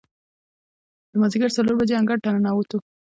د مازدیګر څلور بجې انګړ ته ننوتو.